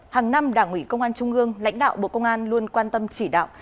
hàng năm đảng ủy công an trung ương lãnh đạo bộ công an luôn quan tâm chỉ đạo